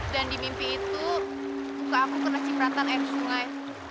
dan di mimpi itu buka aku kena cipratan air sungai